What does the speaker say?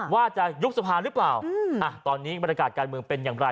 ว่าจะยุบสภาหรือเปล่าตอนนี้บรรยากาศการเมืองเป็นอย่างไร